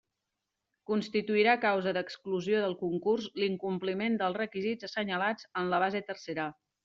Constituirà causa d'exclusió del concurs l'incompliment dels requisits assenyalats en la base tercera.